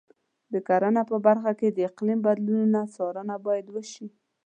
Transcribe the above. د کرنې په برخه کې د اقلیم بدلونونو څارنه باید وشي.